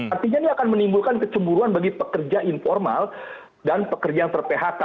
artinya ini akan menimbulkan kecemburuan bagi pekerja informal dan pekerja yang ter phk